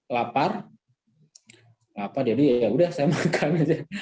lapar jadi yaudah saya makan